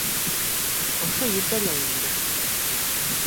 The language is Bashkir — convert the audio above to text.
Ошо етә лә инде.